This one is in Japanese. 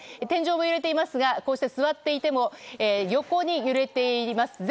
天井も揺れていますがこうして座っていても横に揺れています。